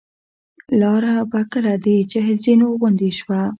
لاره به کله د چهل زینو غوندې شوه.